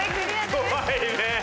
怖いね。